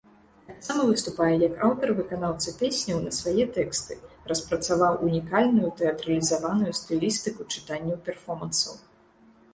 Таксама выступае як аўтар-выканаўца песняў на свае тэксты, распрацаваў унікальную тэатралізаваную стылістыку чытанняў-перфомансаў.